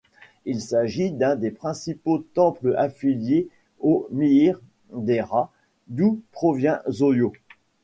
Il s’agit d’un des principaux temples affiliés au Mii-dera, d’où provient Zōyo.